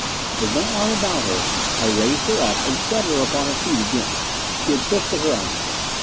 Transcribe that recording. With my arm about her, I raised her up and set her upon her feet again. She had twisted her ankle.